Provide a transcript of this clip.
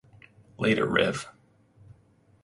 Later Rev.